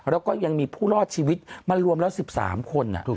แล้วก็ยังมีผู้รอดชีวิตมารวมแล้ว๑๓คน